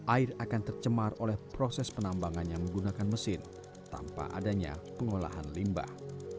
air akan tercemar oleh proses penambangannya menggunakan mesin tanpa adanya pengolahan limbah